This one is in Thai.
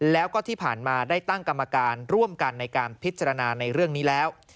แล้วก็ที่ผ่านมาได้ตั้งกรรมการร่วมกันในการพิจารณาในเรื่องนี้แล้ว